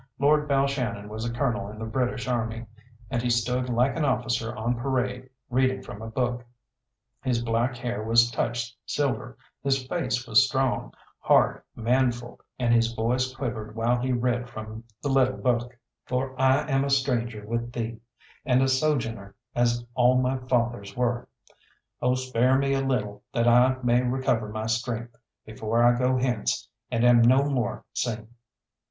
Lord Balshannon was a colonel in the British Army, and he stood like an officer on parade reading from a book. His black hair was touched silver, his face was strong, hard, manful, and his voice quivered while he read from the little book "For I am a stranger with Thee, And a sojourner as all my fathers were; O spare me a little, that I may recover my strength Before I go hence, and am no more seen."